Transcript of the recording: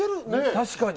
確かに。